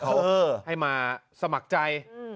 เขาให้มาสมัครใจ